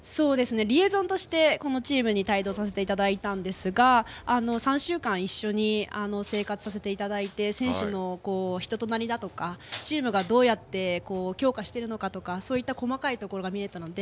リエゾンとしてチームに帯同させていただいたんですが３週間一緒に生活させていただいて選手の人となりやチームをどうやって強化しているのかとかそういった細かいところが見えたので。